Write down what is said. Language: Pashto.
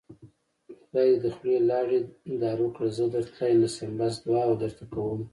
خدای دې د خولې لاړې دارو کړه زه درتلی نشم بس دوعا درته کوومه